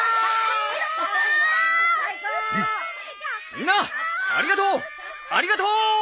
みんなありがとうありがとう！